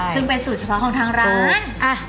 ซึ่งเป็นสูตรเฉพาะของทางร้าน